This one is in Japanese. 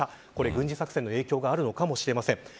軍事作戦の影響があるのかもしれません。